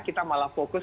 kita malah fokus